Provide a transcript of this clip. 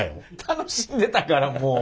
楽しんでたからもう。